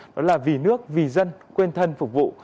đó là vì nước vì dân quên thân phục vụ